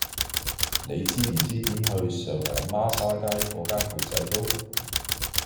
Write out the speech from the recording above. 你知唔知點去上環孖沙街嗰間缽仔糕